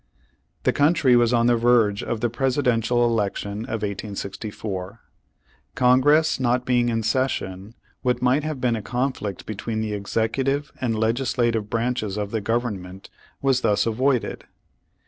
The country was on the verge of the Presiden tial election of 1864, Congress not being in ses sion, what might have been a conflict betv/een the Executive and Legislative branches of the Gov ernment was thus avoided.